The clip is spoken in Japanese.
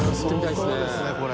相当ですねこれ。